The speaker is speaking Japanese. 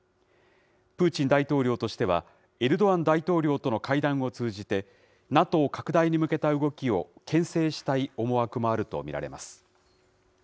プーチン大統領としては、エルドアン大統領との会談を通じて、ＮＡＴＯ拡大に向けた動きをけん制したい思惑もあると見られます。